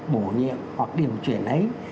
bổ nhiệm hoặc điều chuyển ấy